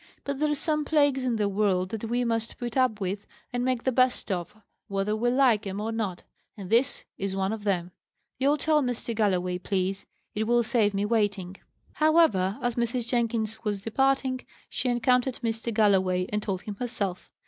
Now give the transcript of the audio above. "But there's some plagues in the world that we must put up with, and make the best of, whether we like 'em or not; and this is one of them. You'll tell Mr. Galloway, please; it will save me waiting." However, as Mrs. Jenkins was departing, she encountered Mr. Galloway, and told him herself.